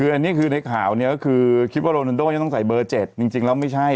คืออันนี้คือในข่าวเนี่ยก็คือคิดว่าโรนันโดจะต้องใส่เบอร์๗จริงแล้วไม่ใช่